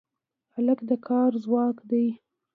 هلک د کار ځواک دی.